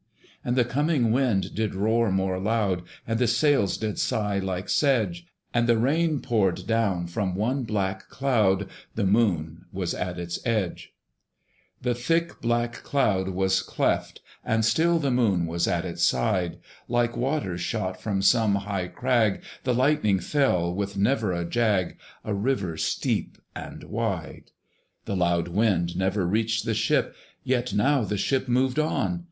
And the coming wind did roar more loud, And the sails did sigh like sedge; And the rain poured down from one black cloud; The Moon was at its edge. The thick black cloud was cleft, and still The Moon was at its side: Like waters shot from some high crag, The lightning fell with never a jag, A river steep and wide. The loud wind never reached the ship, Yet now the ship moved on!